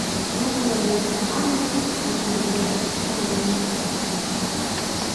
Можна абняць каханую, можна адпачыць пасля вандроўкі.